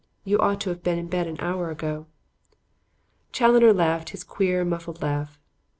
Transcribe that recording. "You ought to have been in bed an hour ago." Challoner laughed his queer muffled laugh.